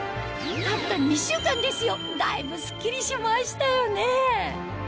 たった２週間ですよだいぶスッキリしましたよね